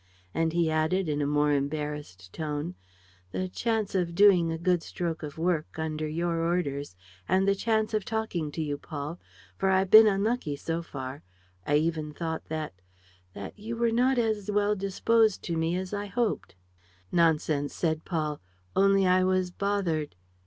And he added, in a more embarrassed tone, "The chance of doing a good stroke of work, under your orders, and the chance of talking to you, Paul ... for I've been unlucky so far. ... I even thought that ... that you were not as well disposed to me as I hoped. ..." "Nonsense," said Paul. "Only I was bothered.